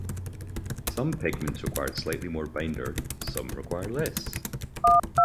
Some pigments require slightly more binder, some require less.